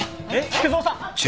菊蔵さん？